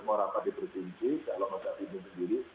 mau rapat dipercintai kalau mau jadi ini sendiri